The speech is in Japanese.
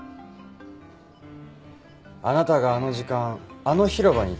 あなたがあの時間あの広場にいた理由は？